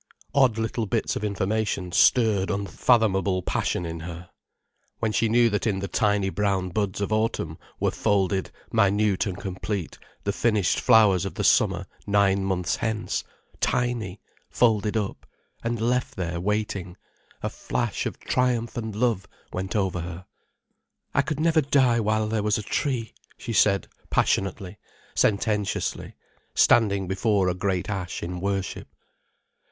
Odd little bits of information stirred unfathomable passion in her. When she knew that in the tiny brown buds of autumn were folded, minute and complete, the finished flowers of the summer nine months hence, tiny, folded up, and left there waiting, a flash of triumph and love went over her. "I could never die while there was a tree," she said passionately, sententiously, standing before a great ash in worship.